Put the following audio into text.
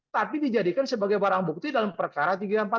tapi dijadikan sebagai barang bukti dalam perkara tiga ratus empat puluh lima